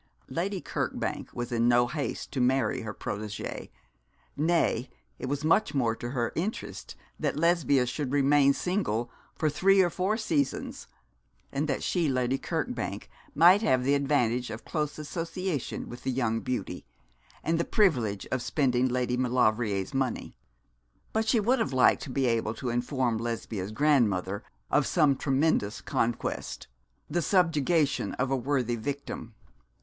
Lady Kirkbank was in no haste to marry her protégée nay, it was much more to her interest that Lesbia should remain single for three or four seasons, and that she, Lady Kirkbank, might have the advantage of close association with the young beauty, and the privilege of spending Lady Maulevrier's money. But she would have liked to be able to inform Lesbia's grandmother of some tremendous conquest the subjugation of a worthy victim.